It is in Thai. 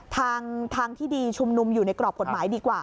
ทางที่ดีชุมนุมอยู่ในกรอบกฎหมายดีกว่า